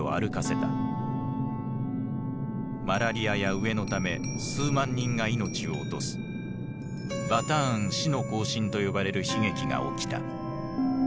マラリアや飢えのため数万人が命を落とす「バターン死の行進」と呼ばれる悲劇が起きた。